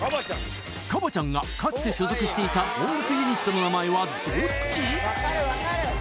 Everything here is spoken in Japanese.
ＫＡＢＡ．ちゃんがかつて所属していた音楽ユニットの名前はどっち？